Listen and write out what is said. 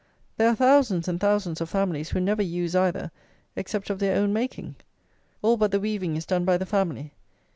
There are thousands and thousands of families who never use either, except of their own making. All but the weaving is done by the family.